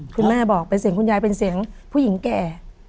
แม่บอกเป็นเสียงคุณยายเป็นเสียงผู้หญิงแก่